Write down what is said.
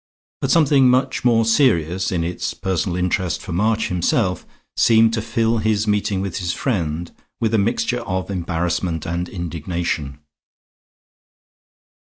But something much more serious, in its personal interest for March himself, seemed to fill his meeting with his friend with a mixture of embarrassment and indignation.